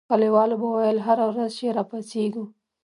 کلیوالو به ویل هره ورځ چې را پاڅېږو.